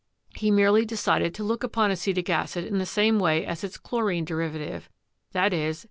He merely decided to look upon acetic acid in the same way as its chlorine derivative — i.e.